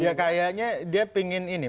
ya kayaknya dia pingin ini